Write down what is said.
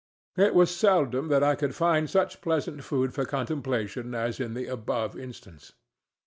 It was seldom that I could find such pleasant food for contemplation as in the above instance.